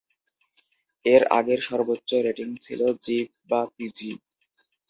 এর আগের সর্বোচ্চ রেটিং ছিলো জি বা পিজি।